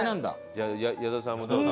じゃあ矢田さんもどうぞ。